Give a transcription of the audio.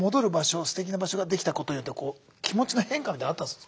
すてきな場所ができたことによって気持ちの変化みたいなのあったんです？